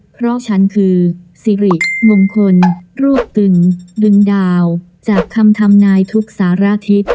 เพราะฉันคือสิริมงคลรวบตึงดึงดาวจากคำทำนายทุกสารทิศ